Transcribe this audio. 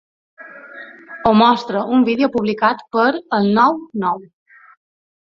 Ho mostra un vídeo publicat per El nou Nou.